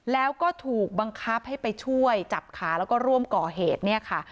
แล้วก็ถูกบังคับให้ไปช่วยจับขาแล้วก็ร่วมก่อเหตุเนี่ยค่ะ